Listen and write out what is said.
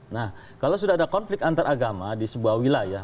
nah kalau sudah ada konflik antar agama di sebuah wilayah